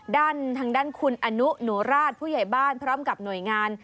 ทางด้านคุณอนุหนูราชผู้ใหญ่บ้านพร้อมกับหน่วยงาน